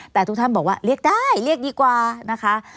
แต่ทุกท่านบอกว่าเรียกได้เรียกดีกว่านะคะ